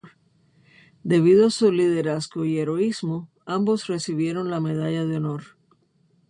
Debido a su liderazgo y heroísmo, ambos recibieron la Medalla de Honor.